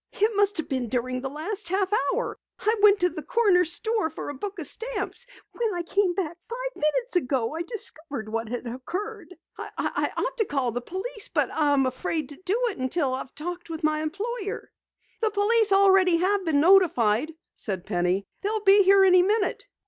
"It must have been during the last half hour. I went to the corner store for a book of stamps. When I came back five minutes ago I discovered what had occurred. I ought to call the police, but I am afraid to do it until I've talked with my employer." "The police already have been notified," said Penny. "They'll be here any minute."